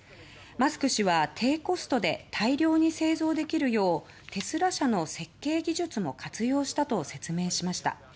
マスク氏は、低コストで大量に製造できるようテスラ車の設計技術も活用したと説明しました。